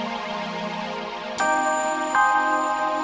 kerjaannya nggak cocok ya buat nong